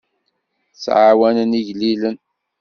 Ttɛawanen igellilen.